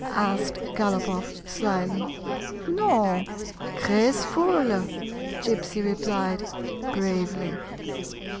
" asked GalopofF, slyly. "No, graceful," Gypsy replied, gravely.